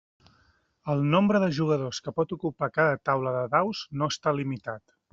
El nombre de jugadors que pot ocupar cada taula de daus no està limitat.